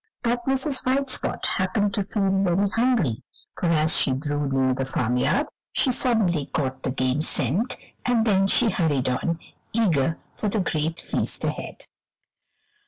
But Mrs. White Spot happened to feel very hungry, for as she drew near the farmyard she suddenly caught the game scent, and then she hurried on, eager for the great feast ahead.